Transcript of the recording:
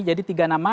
jadi tiga nama